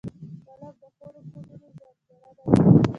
قلم د ښو روحونو ځانګړنه ده